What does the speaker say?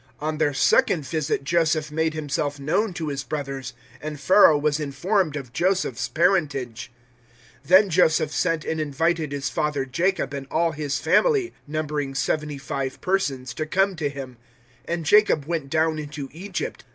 007:013 On their second visit Joseph made himself known to his brothers, and Pharaoh was informed of Joseph's parentage. 007:014 Then Joseph sent and invited his father Jacob and all his family, numbering seventy five persons, to come to him, 007:015 and Jacob went down into Egypt.